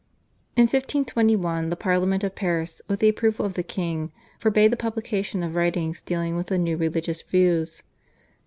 In 1521 the Parliament of Paris with the approval of the king forbade the publication of writings dealing with the new religious views.